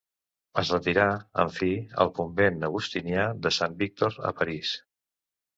Es retirà, en fi, al convent agustinià de Sant Víctor a París.